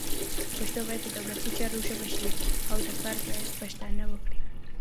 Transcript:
پښتو باید د دولتي چارو ژبه شي، او دا کار باید پښتانه وکړي